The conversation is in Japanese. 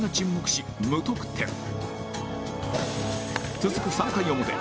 続く３回表